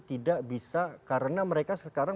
tidak bisa karena mereka sekarang